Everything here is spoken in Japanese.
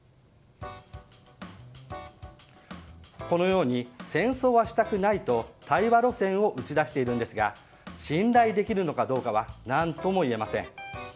このように戦争はしたくないと対話路線を打ち出しているんですが信頼できるのかどうかは何とも言えません。